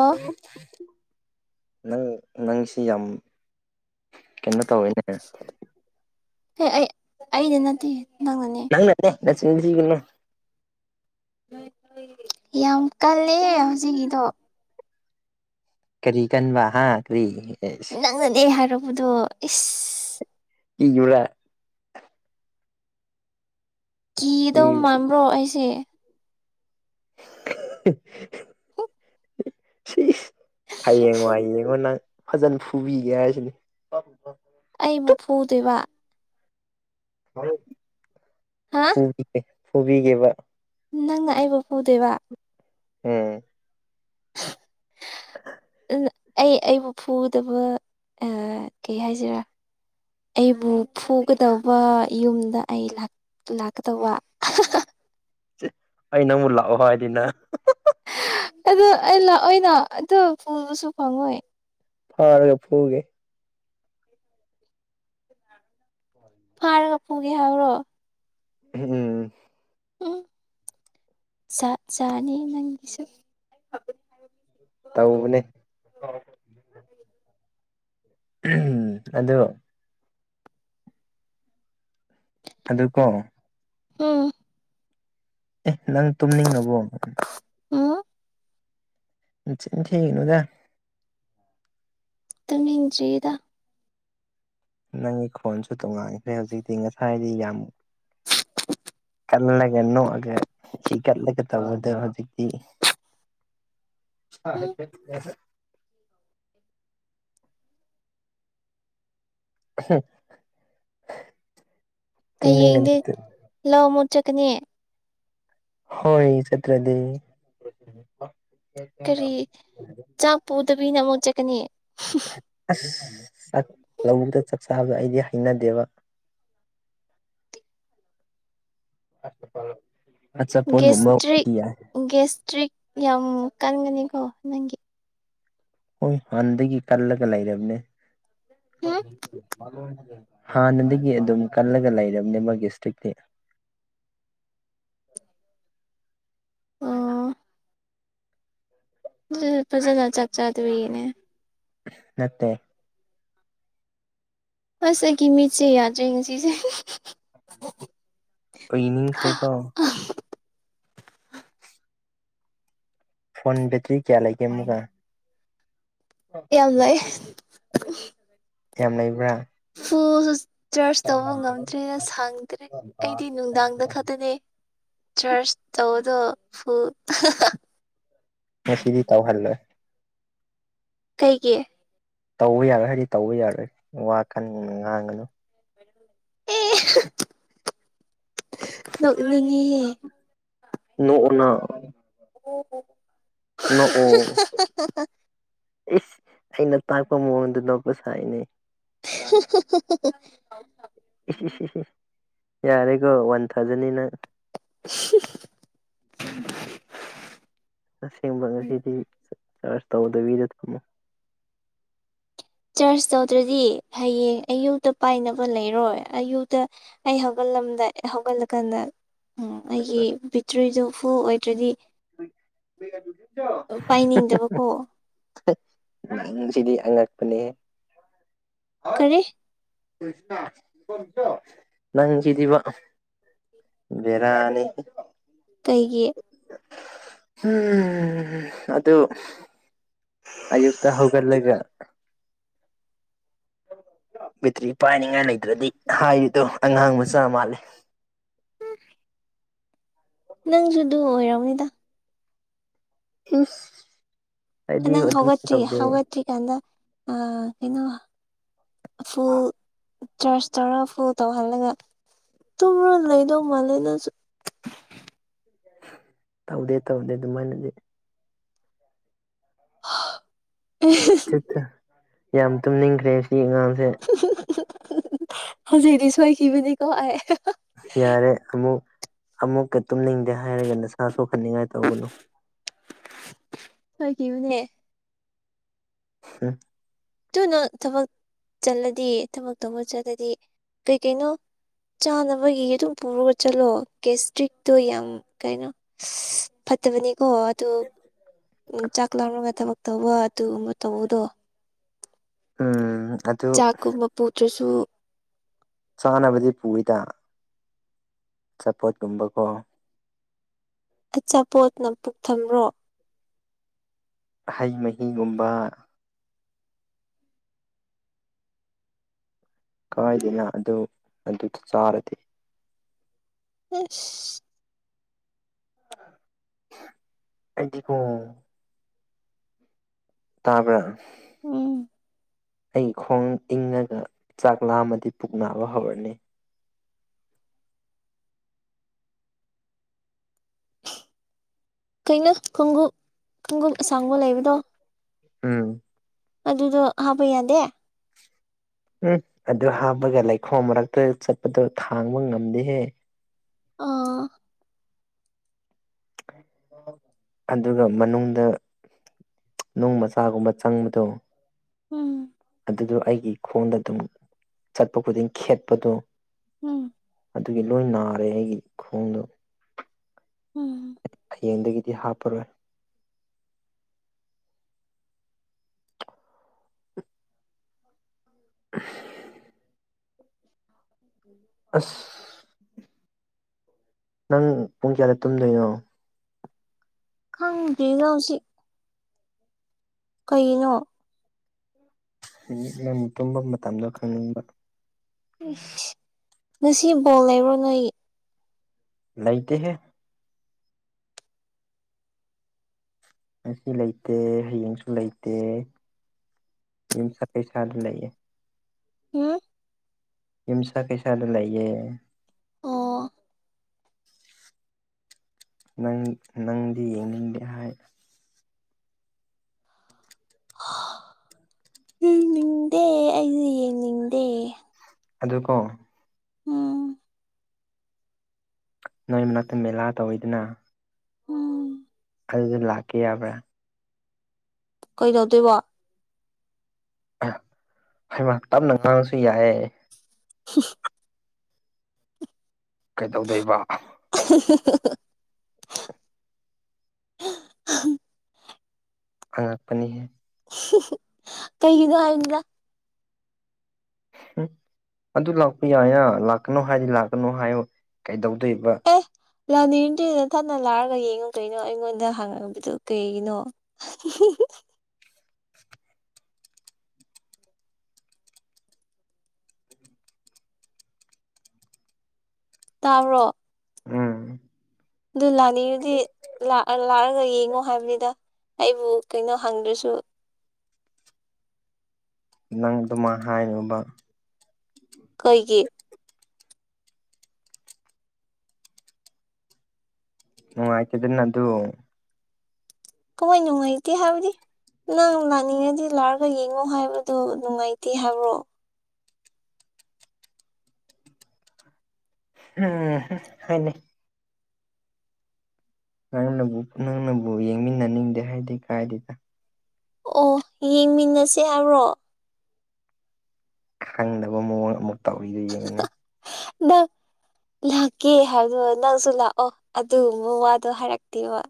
ꯑꯐ ꯅꯪ ꯅꯪꯁꯤ ꯌꯥꯝ ꯀꯩꯅꯣ ꯇꯧꯋꯦꯅꯦ ꯍꯦ ꯑꯩ ꯑꯩꯗꯤ ꯅꯠꯇꯦ ꯅꯪꯅꯅꯦ ꯑꯪꯦ ꯅꯆꯤꯟꯦ ꯌꯥꯝ ꯀꯜꯂꯦ ꯍꯧꯖꯤꯛꯀꯤꯗꯣ ꯀꯔꯤ ꯀꯟꯕ ꯍꯥꯡꯒ꯭ꯔꯤ ꯑꯦꯁ ꯈꯪꯅꯗꯦ ꯍꯥꯏꯔꯛꯔꯕꯗꯣ ꯏꯁ ꯏꯖꯨꯔꯥ ꯀꯤ ꯀꯤꯗꯧ ꯃꯥꯟꯕ꯭ꯔꯣ ꯑꯩꯁꯦ ꯁꯤ ꯍꯌꯦꯡꯉꯣ ꯍꯌꯦꯡꯉꯣ ꯅꯪ ꯐꯖꯅ ꯐꯨꯕꯤꯒꯦ ꯍꯥꯏꯁꯤꯅꯤ ꯑꯩ ꯃꯨꯐꯨꯗꯣꯏꯕ ꯍ ꯍꯥ ꯦ ꯐꯨꯕꯤꯒꯕ ꯅꯪꯅ ꯑꯩꯕꯨ ꯄꯨꯗꯣꯏꯕ ꯎꯝ ꯑꯗꯨ ꯑꯩ ꯑꯩꯕꯨ ꯐꯨꯗꯕ ꯀꯩ ꯍꯥꯏꯁꯤꯔꯥ ꯑꯩꯕꯨ ꯐꯨꯒꯗꯧꯕ ꯌꯨꯝꯗ ꯑꯩ ꯂꯥꯛꯀ ꯇꯧ ꯋꯥ ꯑꯩꯅ ꯑꯃꯨꯠ ꯂꯥꯛꯑꯣ ꯍꯥꯏꯗꯤꯅ ꯑꯗꯨ ꯑꯩ ꯂꯥꯛꯑꯣꯏꯅ ꯑꯗꯨ ꯄꯨꯨꯗꯨꯁꯨ ꯐꯪꯉꯣꯏ ꯐꯥꯔꯒ ꯐꯒꯦ ꯐꯥꯔꯒ ꯐꯣꯡꯒꯦ ꯍꯥꯏꯔꯣ ꯎꯝ ꯎꯝ ꯆꯥꯅꯤ ꯅꯪꯒꯤꯁꯨ ꯇꯧꯅꯦ ꯎꯝ ꯑꯗꯣ ꯑꯗꯨꯀꯣ ꯎꯝ ꯑꯦ ꯅꯪ ꯇꯨꯝꯅꯤꯡꯉꯕꯣ ꯎꯝ ꯊꯦꯡꯅꯗ ꯇ ꯃꯤꯦꯟ ꯆꯗ ꯅꯪꯒꯤ ꯈꯣꯟꯁꯨ ꯇꯣꯡꯉꯥꯟꯈ꯭ꯔꯦ ꯍꯧꯖꯤꯛꯇꯤ ꯉꯁꯥꯏꯗꯤ ꯌꯥꯝ ꯀꯜꯂꯒ ꯅꯣꯛꯑꯒ ꯍꯤ ꯀꯠꯂꯒ ꯇꯧꯕꯗꯣ ꯍꯧꯖꯤꯛꯇꯤ [unintelligible] ꯑ ꯍ ꯎꯝ [unintelligible] ꯇꯨꯝꯅꯤꯡꯒꯅꯤ ꯍꯌꯦꯡꯗꯤ ꯂꯥꯎ ꯑꯃꯣꯠ ꯆꯠꯀꯅꯤ ꯍꯣꯏ ꯆꯠꯇ꯭ꯔꯗꯤ ꯀꯔꯤ ꯆꯥꯛ ꯄꯨꯗꯕꯤꯅ ꯑꯃꯨꯛ ꯆꯠꯀꯅꯤ ꯑꯁ ꯆꯥꯛ ꯂꯧꯗ ꯆꯥꯛ ꯆꯥꯕꯗ ꯑꯩꯗꯤ ꯍꯩꯅꯗꯦꯕ ꯑꯁꯇ ꯐꯜꯣ ꯒꯦꯁꯇ꯭ꯔꯤꯛ ꯒꯦꯁꯇ꯭ꯔꯤꯛ ꯌꯥꯝ ꯀꯟꯒꯅꯤꯀꯣ ꯅꯪꯒꯤ ꯍꯣꯏ ꯍꯥꯟꯗꯒꯤ ꯀꯜꯂꯒ ꯂꯩꯔꯕꯅꯦ ꯎꯝ ꯍꯥꯟꯅꯗꯒꯤ ꯑꯗꯨꯝ ꯀꯜꯂꯒ ꯂꯩꯔꯕꯅꯦ ꯃꯥꯒꯤ ꯏꯁꯇ꯭ꯔꯤꯛꯇꯤ ꯑꯥ ꯐꯖꯅ ꯆꯥꯛ ꯆꯥꯗꯕꯤꯒꯤꯅꯦ ꯅꯠꯇꯦ ꯍꯁ ꯑꯩꯒꯤ ꯃꯤꯠꯁꯦ ꯌꯥꯗ꯭ꯔꯦ ꯉꯁꯤꯁꯦ ꯏꯅꯤꯡꯁ ꯔꯦꯀꯣ ꯐꯣꯟ ꯕꯦꯇ꯭ꯔꯤ ꯀꯌꯥ ꯂꯩꯒꯦ ꯑꯃꯒ ꯌꯥꯝꯅꯨꯡꯑꯦ ꯌꯥꯝ ꯂꯩꯕ꯭ꯔꯥ ꯐꯣ ꯆꯔꯆ ꯇꯧꯕ ꯉꯝꯗ꯭ꯔꯦꯅ ꯁꯥꯡꯗ꯭ꯔꯦ ꯑꯩꯗꯤ ꯅꯨꯡꯗꯥꯡꯗ ꯈꯛꯇꯅꯦ ꯆꯔꯁ ꯇꯧꯗꯣ ꯐ ꯉꯁꯤꯗꯤ ꯇꯥꯎ ꯍꯜꯂꯣꯏꯦ ꯀꯩꯒꯤ ꯇꯧꯕ ꯌꯥꯔꯣꯏ ꯍꯥꯏꯗꯤ ꯇꯧꯕ ꯌꯥꯔꯣꯏ ꯋꯥ ꯀꯟ ꯉꯥꯡꯒꯅꯨ ꯑꯦ ꯅꯣꯛꯅꯤꯡꯉꯍꯦ ꯅꯣꯡꯅ ꯑꯣ ꯍ ꯅꯣꯛꯑꯣ ꯑꯩꯁ ꯑꯩꯅ ꯇꯥꯛꯄ ꯃꯑꯣꯡꯗ ꯅꯣꯛꯄ ꯁꯥꯏꯅꯦ ꯍ ꯏ ꯌꯥꯔꯦꯀꯣ ꯋꯥꯟ ꯊꯥꯎꯖꯟꯅꯤꯅ [unintelligible] ꯑꯁꯦꯡꯕ ꯉꯁꯤꯗꯤ ꯆꯔꯁ ꯇꯧꯗꯕꯤꯗ ꯊꯝꯃꯣ ꯆꯔꯆ ꯇꯧꯗ꯭ꯔꯗꯤ ꯍꯌꯦꯡ ꯑꯌꯨꯛꯇ ꯄꯥꯏꯅꯕ ꯂꯩꯔꯣꯏ ꯑꯌꯨꯛꯇ ꯑꯩ ꯍꯧꯒꯠꯂꯝꯗꯥ ꯍꯧꯒꯠꯂꯀꯥꯟꯗ ꯎꯝ ꯑꯩꯒꯤ ꯕꯦꯇ꯭ꯔꯤꯗꯨ ꯐꯨꯜ ꯑꯣꯏꯗ꯭ꯔꯗꯤ ꯄꯥꯏꯅꯤꯡꯗꯕꯀꯣ ꯅꯪ ꯁꯤꯗꯤ ꯑꯉꯛꯄꯅꯦ ꯀꯔꯤ ꯅꯪ ꯀꯗꯕ ꯕꯤꯔꯥꯅꯤ ꯀꯩꯒꯤ ꯎꯝ ꯑꯗꯨꯗ ꯑ ꯌꯨꯛꯇ ꯍꯧꯒꯜꯂꯒ ꯕꯦꯇ꯭ꯔꯤ ꯄꯥꯏꯅꯤꯡꯉꯥꯏ ꯂꯩꯇ꯭ꯔꯗꯤ ꯍꯥꯏꯔꯤꯗꯣ ꯑꯉꯥꯡ ꯃꯆꯥ ꯃꯥꯜꯂꯦ ꯎꯝ ꯅꯪꯁꯨ ꯑꯗꯨ ꯑꯣꯏꯔꯕꯅꯤꯗ ꯏꯁ ꯑꯩꯗꯤ ꯅꯪ ꯑꯗꯨꯃꯥꯏꯅ ꯍꯧꯒꯠꯇ꯭ꯔꯤ ꯇꯧꯗꯦ ꯍꯧꯒꯠꯇ꯭ꯔꯤ ꯑꯗ ꯑ ꯀꯩꯅꯣ ꯐꯨꯜ ꯆꯔꯆ ꯇꯧꯔ ꯐꯨꯜ ꯇꯧꯍꯜꯂꯒ ꯇꯨꯝꯔ ꯂꯩꯗꯧ ꯃꯥꯜꯂꯦ ꯅꯁꯨ ꯇꯧꯗꯦ ꯇꯧꯗꯦ ꯑꯗꯨꯃꯥꯏꯅꯗꯤ ꯑꯦ ꯌꯥꯝ ꯇꯨꯝꯅꯤꯡꯈ꯭ꯔꯦ ꯁꯤꯉꯥꯡꯁꯦ ꯍꯧꯖꯤꯛꯗꯤ ꯁꯣꯏꯈꯤꯕꯅꯤꯀꯣ ꯑꯩ ꯌꯥꯔꯦ ꯑꯃꯨꯛ ꯑꯃꯨꯛꯀ ꯇꯨꯝꯅꯤꯡꯗꯦ ꯍꯥꯏꯔꯒ ꯅꯁꯥ ꯁꯣꯛꯍꯟꯅꯤꯡꯉꯥꯏ ꯇꯧꯒꯅꯨ [unintelligible] ꯍ ꯀꯕꯨꯅꯦ ꯑ ꯑꯗꯨꯨꯅ ꯊꯕꯛ ꯆꯠꯂꯗꯤ ꯊꯕꯛ ꯇꯧꯕ ꯆꯠꯂꯗꯤ ꯀꯩꯀꯩꯅꯣ ꯆꯥꯅꯕꯒꯤ ꯑꯗꯨꯝ ꯄꯨꯔꯒ ꯆꯠꯂꯣ ꯀꯦꯁꯇ꯭ꯔꯤꯛꯇꯣ ꯌꯥꯝ ꯀꯩꯅꯣ ꯐꯠꯇꯕꯅꯤꯀꯣ ꯑꯗꯨ ꯎ ꯆꯥꯛ ꯂꯥꯝꯃꯒ ꯊꯕꯛ ꯇꯧꯕ ꯑꯗꯨꯒꯨꯝꯕ ꯇꯧꯕꯗꯣ ꯎꯝ ꯑꯗꯨ ꯄꯨꯇ꯭ꯔꯁꯨ ꯆꯥꯅꯕꯗꯤ ꯄꯨꯏꯗ ꯆꯄꯣꯠꯀꯨꯝꯕꯀꯣ ꯑꯆꯥꯄꯣꯠꯅ ꯄꯨꯛ ꯊꯔꯣ ꯍꯩ ꯃꯍꯤꯒꯨꯝꯕ ꯀꯥꯏꯗꯅ ꯑꯗꯨ ꯑꯗꯨꯗ ꯆꯥꯔꯗꯤ ꯏꯁ ꯑꯩꯗꯤꯀꯣ ꯇꯥꯕ꯭ꯔꯥ ꯎꯝ ꯑꯩꯒꯤ ꯈꯣꯡ ꯏꯪꯉꯒ ꯆꯥꯛ ꯂꯥꯝꯃꯗꯤ ꯄꯨꯛ ꯅꯥꯕ ꯍꯧꯔꯅꯤ ꯀꯩꯅꯣ ꯈꯣꯡꯎꯞ ꯈꯣꯡꯎꯞ ꯑꯁꯥꯡꯕ ꯂꯩꯕꯗꯣ ꯎꯝ ꯑꯗꯨꯗꯣ ꯍꯥꯞꯄ ꯌꯥꯗꯦ ꯎꯝ ꯑꯗꯨ ꯍꯥꯞꯄꯒ ꯂꯩꯈꯣꯝ ꯃꯔꯛꯇ ꯆꯠꯄꯗꯣ ꯊꯥꯡꯕ ꯉꯝꯗꯦꯍꯦ ꯑꯥ ꯑꯗꯨꯒ ꯃꯅꯨꯡꯗ ꯅꯨꯡ ꯃꯆꯥꯒꯨꯝꯕ ꯆꯪꯕꯗꯣ ꯎꯝ ꯑꯗꯨꯗꯣ ꯑꯩꯒꯤ ꯈꯣꯟꯗ ꯑꯗꯨꯝ ꯆꯠꯄ ꯈꯨꯗꯤꯡ ꯈꯦꯠꯄꯗꯣ ꯎꯝ ꯑꯗꯨꯒꯤ ꯂꯣꯏ ꯅꯥꯔꯦ ꯑꯩꯒꯤ ꯈꯣꯡꯗꯣ ꯎꯝ ꯍꯌꯦꯡꯗꯒꯤꯗꯤ ꯍꯥꯞꯄꯔꯣꯏ [unintelligible] ꯎꯝꯝ ꯑꯁ [unintelligible] ꯅꯪ ꯄꯨꯡ ꯀꯌꯥꯗ ꯇꯨꯝꯗꯣꯏꯅꯣ ꯈꯪꯗꯦꯗ ꯍꯧꯖꯤꯛ ꯀꯩꯅꯣ ꯁꯨꯝ ꯅꯪꯒꯤ ꯇꯨꯝꯕ ꯃꯇꯝꯗꯣ ꯈꯪꯅꯤꯡꯕ ꯏꯁꯁ ꯉꯁꯤ ꯕꯣꯜ ꯂꯩꯕ꯭ꯔꯣ ꯅꯣꯏꯒꯤ ꯂꯩꯇꯦꯍꯦ ꯉꯁꯤ ꯂꯩꯇꯦ ꯍꯌꯦꯡꯁꯨ ꯂꯩꯇꯦ ꯌꯨꯝꯁꯥ ꯀꯩꯁꯥꯗ ꯂꯩꯌꯦ ꯍꯝꯝ ꯌꯨꯝꯁ ꯀꯩꯁꯗ ꯂꯩꯌꯦ ꯑꯣ ꯅꯪ -ꯅꯪꯗꯤ ꯌꯦꯡꯅꯤꯡꯗꯦ ꯍꯥꯏ ꯍꯥ ꯌꯦꯡꯅꯤꯡꯗꯦ ꯑꯩꯗꯤ ꯌꯦꯡꯅꯤꯡꯗꯦ ꯑꯗꯨꯀꯣ ꯎꯝ ꯅꯣꯏ ꯃꯅꯥꯛꯇ ꯃꯦꯂꯥ ꯇꯧꯋꯤꯗꯅ ꯎꯝ ꯑꯗꯨꯗ ꯂꯥꯛꯀꯦ ꯌꯥꯕ꯭ꯔꯥ ꯀꯩꯗꯧꯗꯣꯏꯕꯣ ꯑ ꯍꯩꯃ ꯇꯞꯅ ꯉꯥꯡꯉꯁꯨ ꯌꯥꯏꯑꯦ [inaudible] ꯀꯩꯗꯧꯗꯣꯏꯕ [unintelligible] ꯑꯉꯛꯄꯅꯤ ꯍ ꯀꯩꯒꯤꯗ ꯍꯥꯏꯗ ꯎꯝ ꯑꯗꯨ ꯂꯥꯛꯄ ꯌꯥꯏꯅ ꯂꯥꯛꯀꯅꯣ ꯍꯥꯏꯗꯤ ꯂꯥꯛꯀꯅꯣ ꯍꯥꯏꯌꯣ ꯀꯩꯗꯧꯗꯣꯏꯕ ꯑꯦ ꯂꯥꯟꯅꯤꯡꯉꯗꯤ ꯅꯥꯊꯟꯗ ꯂꯥꯛꯑꯒ ꯌꯦꯡꯉꯣ ꯀꯩꯅꯣ ꯑꯩꯉꯣꯟꯗ ꯍꯪꯑꯕꯗꯨ ꯀꯩꯒꯤꯅꯣ [unintelligible] ꯇꯥꯕ꯭ꯔꯣ ꯎꯝ ꯗꯨ ꯂꯥꯛꯅꯤꯡꯉꯥꯗꯤ ꯂꯥꯛꯑ -ꯂꯥꯛꯑꯒ ꯌꯦꯡꯉꯣ ꯍꯥꯏꯕꯅꯤꯗ ꯑꯩꯕꯨ ꯀꯩꯅꯣ ꯍꯪꯗ꯭ꯔꯁꯨ ꯅꯪ ꯑꯗꯨꯃꯥꯏ ꯍꯥꯏꯅꯨꯕ ꯀꯩꯒꯤ ꯅꯨꯡꯉꯥꯏꯇꯦꯗꯅ ꯑꯗꯨ ꯀꯃꯥꯏ ꯅꯨꯡꯉꯥꯏꯇꯦ ꯍꯥꯏꯕꯗꯤ ꯅꯪ ꯂꯥꯛꯅꯤꯡꯉꯗꯤ ꯂꯥꯛꯑꯒ ꯌꯦꯡꯉꯣ ꯍꯥꯏꯕꯗꯨ ꯅꯨꯡꯉꯥꯏꯇꯦ ꯍꯥꯏꯕ꯭ꯔꯣ ꯍꯝꯍꯝ ꯍꯣꯏꯅꯦ ꯅꯪꯅꯕꯨ -ꯅꯪꯅꯕꯨ ꯌꯦꯡꯃꯤꯟꯅꯅꯤꯡꯗꯦ ꯍꯥꯏꯗꯤ ꯀꯥꯏꯗꯦꯗ ꯑꯣ ꯌꯦꯡꯃꯤꯟꯅꯁꯦ ꯍꯥꯏꯕ꯭ꯔꯣ ꯈꯪꯗꯕ ꯃꯑꯣꯡ ꯑꯃꯨꯛ ꯇꯧꯔꯤꯗꯨ ꯌꯦꯡꯉꯨꯅꯦ [unintelligible] ꯅꯥ- ꯂꯥꯛꯀꯦ ꯍꯥꯏꯕ ꯅꯪꯁꯨ ꯂꯥꯛꯑꯣ ꯑꯗꯨꯒꯨꯝꯕ ꯋꯥꯗꯣ ꯍꯥꯏꯔꯛꯇꯦꯕ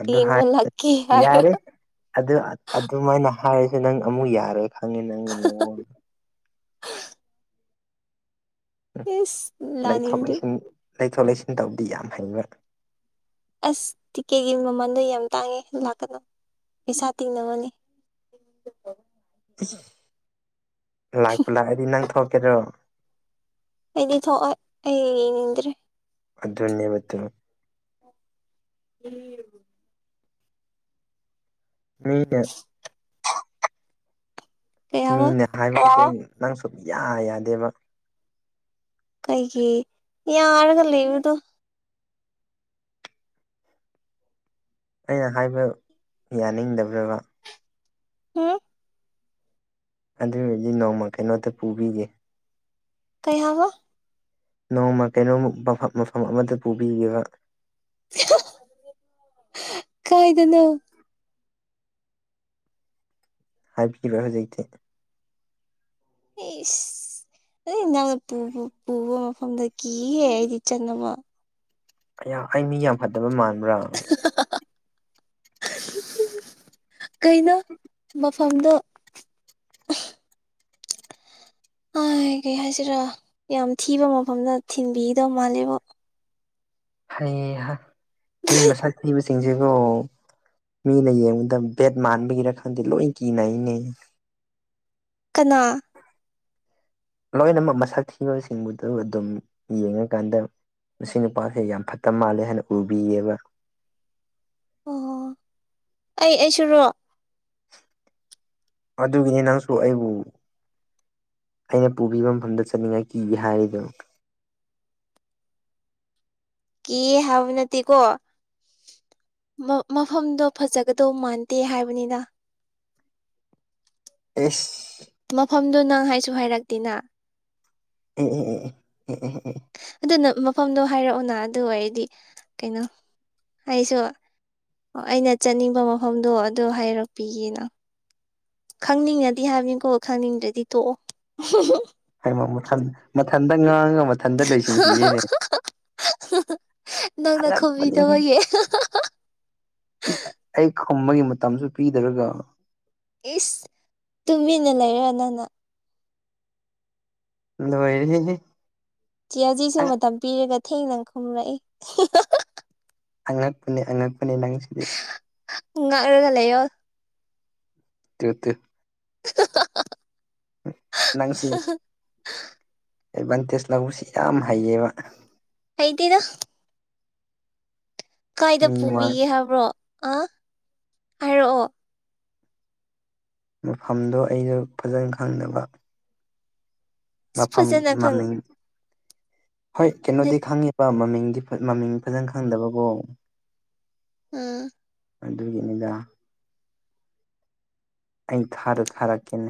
ꯑꯗꯨ ꯌꯦꯡꯕ ꯍꯥꯏ ꯂꯥꯛꯀꯦ ꯍꯥꯏꯔ- ꯌꯥꯔꯦ ꯑꯗꯨ -ꯑꯗꯨꯃꯥꯏꯅ ꯍꯥꯏꯔꯁꯨ ꯅꯪ ꯑꯃꯨꯛ ꯌꯥꯔꯣꯏ ꯈꯪꯉꯦ ꯅꯪꯒꯤ ꯅꯑꯣꯡ- [unintelligible] ꯎꯝ ꯏꯁ ꯂꯩꯊꯣꯛ ꯂꯥꯛꯅꯤꯡꯗ꯭ꯔꯤ -ꯂꯩꯁꯤꯟ ꯂꯩꯊꯣꯛ -ꯂꯩꯁꯤꯟ ꯇꯧꯕꯗꯤ ꯌꯥꯝ ꯍꯩꯕ ꯑꯁ ꯇꯤꯛꯀꯦꯠꯒꯤ ꯃꯃꯜꯗꯣ ꯌꯥꯝ ꯇꯥꯡꯉꯦ ꯂꯥꯛꯀꯅꯣ ꯄꯩꯁꯥ ꯇꯤꯡꯅꯕꯅꯤ [unintelligible] [unintelligible] ꯂꯥꯛꯄꯨ ꯂꯥꯛꯑꯗꯤ ꯅꯪ ꯊꯣꯛꯀꯦꯔꯣ ꯑꯩꯗꯤ ꯊꯣꯛꯑꯣꯏ ꯑꯩ ꯌꯦꯡꯅꯤꯡꯗ꯭ꯔꯦ ꯑꯗꯨꯅꯦꯕ ꯇꯨ [unintelligible] [inaudible] ꯃꯤꯌ - [unintelligible] ꯀꯩ ꯍꯥꯏꯕ ꯃꯤꯅ ꯍꯥꯏꯕꯁꯨ ꯅꯪ ꯁꯨꯞ ꯌꯥ ꯌꯥꯗꯦꯕ ꯑꯩꯒꯤ ꯌꯥꯔꯒ ꯂꯩꯕꯗꯣ ꯑꯩꯅ ꯍꯥꯏꯕ ꯌꯥꯅꯤꯡꯗꯕ꯭ꯔꯕ ꯍꯝ ꯑꯗꯨ ꯑꯣꯏꯔꯗꯤ ꯅꯣꯡꯃ ꯀꯩꯅꯣꯝꯇ ꯄꯨꯕꯤꯒꯦ ꯀꯩ ꯍꯥꯏꯒ ꯅꯣꯡꯃ ꯀꯩꯅꯣꯝꯃ ꯃ ꯃꯐꯝ ꯑꯃꯗ ꯄꯨꯕꯤꯈꯤꯕ ꯀꯥꯏꯗꯅꯣ ꯍꯥꯏꯕꯤꯈꯤꯕ ꯍꯧꯖꯤꯗꯤ ꯑꯦꯁ ꯑ ꯅꯪꯅ ꯄꯨꯕ ꯃꯐꯝꯗ ꯀꯤꯒꯦ ꯑꯩꯗꯤ ꯆꯠꯅꯕ ꯑꯩ ꯃꯤ ꯌꯥꯝ ꯐꯠꯇꯕ ꯃꯥꯟꯕ꯭ꯔꯥ ꯀꯩꯅꯣ ꯃꯐꯝꯗꯣ ꯍꯥꯏ ꯀꯩ ꯍꯥꯏꯁꯤꯔꯥ ꯌꯥꯝ ꯊꯤꯕ ꯃꯐꯝꯗ ꯊꯤꯟꯕꯤꯒꯗꯧ ꯃꯥꯜꯂꯦꯕꯣ ꯍꯩꯍꯥ ꯃꯤ ꯃꯁꯥꯛ ꯊꯤꯕꯁ- ꯆꯤꯡꯖꯤꯔꯣ ꯃꯤꯅ ꯌꯦꯡꯕꯗ ꯕꯦꯠ ꯃꯥꯟꯕꯒꯤꯔ ꯈꯪꯗꯦ ꯂꯣꯏ ꯀꯤꯅꯩꯅꯦ ꯀꯅꯥ ꯂꯣꯏꯅꯃꯛ ꯃꯁꯛ ꯊꯤꯕꯁꯤꯡꯕꯨꯗꯨ ꯑꯗꯨꯝ ꯌꯦꯡꯉꯀꯥꯟꯗ ꯃꯁꯤ ꯅꯨꯄꯥꯁꯦ ꯌꯥꯝ ꯐꯠꯇ ꯃꯥꯜꯂꯦ ꯍꯥꯏꯅ ꯎꯕꯤꯌꯦꯕ ꯑꯣ ꯑꯩ -ꯑꯩꯁꯨꯔꯣ ꯑꯗꯨꯒꯤꯅꯦ ꯅꯪꯁꯨ ꯑꯩꯕꯨ ꯑꯩꯅ ꯄꯨꯕꯤꯕ ꯃꯐꯝꯗ ꯆꯠꯅꯤꯡꯉꯥꯏ ꯀꯤꯌꯦ ꯍꯥꯏꯔꯤꯗꯣ ꯀꯤ ꯍꯥꯢꯕꯅꯠꯇꯦ ꯀꯣ ꯃꯐꯝꯗꯣ ꯐꯖꯒꯗꯧ ꯃꯥꯟꯗꯦ ꯍꯥꯏꯕꯅꯤꯅ ꯑ ꯃꯐꯝꯗꯨ ꯅꯪ ꯍꯥꯏꯁꯨ ꯍꯥꯏꯔꯛꯇꯦꯅ ꯎ ꯑꯣ ꯎ ꯑꯗꯨꯅ ꯃꯐꯝꯗꯣ ꯍꯥꯏꯔꯛꯑꯣꯅ ꯑꯗꯨ ꯑꯣꯏꯔꯗꯤ ꯀꯩꯅꯣ ꯍꯥꯏꯁꯨ ꯑꯣ ꯑꯩꯅ ꯆꯠꯅꯤꯡꯕ ꯃꯐꯝꯗꯣ ꯑꯗꯨ ꯍꯥꯏꯔꯛꯄꯤꯒꯦꯅ ꯈꯪꯅꯤꯡꯉꯗꯤ ꯍꯥꯏꯕꯅꯤꯀꯣ ꯈꯪꯅꯤꯡꯗ꯭ꯔꯗꯤ ꯊꯣꯛꯑꯣ ꯍꯥꯏꯃ ꯃꯊ ꯃꯊꯟꯗ ꯉꯥꯡꯉ [inaudible] ꯅꯪꯅ ꯑꯉꯛꯄꯅꯤꯍꯦ ꯈꯨꯝꯕꯤꯗꯕꯒꯤ ꯏꯁ ꯑꯩ ꯈꯝꯕꯒꯤ ꯃꯇꯝꯁꯨ ꯄꯤꯗꯔꯒ ꯏꯁ ꯇꯨꯃꯤꯅ ꯂꯩꯔꯅꯅ ꯂ [unintelligible] ꯆꯤꯖꯤꯛꯁꯨ ꯃꯇꯝ ꯄꯤꯔꯒ ꯊꯦꯡꯅꯅ ꯈꯨꯝꯂꯛꯏ ꯑꯉꯛꯄꯅꯦ ꯑꯉꯛꯄꯅꯦ ꯅꯪꯁꯤꯗꯤ ꯨ ꯉꯔꯒꯂꯦ ꯌꯣ ꯇꯌꯨꯛꯇ [inaudible] ꯅꯪꯁꯤ ꯑꯦꯗꯚꯥꯟꯇꯦꯖ ꯂꯧꯕꯁꯤ ꯌꯥꯝ ꯍꯩꯌꯦꯕ ꯍꯩꯗꯦꯗ ꯀꯥꯏꯗ ꯃꯤ ꯋꯥ ꯄꯨꯕꯤꯒꯦ ꯍꯥꯏꯕ꯭ꯔꯣ ꯑ ꯍꯥꯏꯔꯛꯑꯣ ꯃꯐꯝꯗꯣ ꯑꯩꯁꯨ ꯐꯖꯅ ꯈꯪꯗꯕ ꯃꯐꯝ ꯐꯖꯅ ꯈꯪ ꯃꯃꯤꯡ ꯍꯣꯏ ꯀꯩꯅꯣꯗꯤ ꯈꯪꯉꯤꯕ ꯃꯃꯤꯡꯗꯤ ꯃꯃꯤꯡ ꯐꯖꯅ ꯈꯪꯗꯕꯀꯣ ꯎꯝ ꯑꯗꯨꯒꯤꯅꯤꯗ ꯑꯩ ꯊꯥꯗ ꯊꯥꯔꯛꯀꯦꯅꯦ